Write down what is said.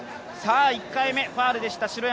１回目、ファウルでした、城山。